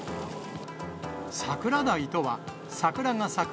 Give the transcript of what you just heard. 桜鯛とは桜が咲く